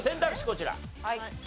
こちら。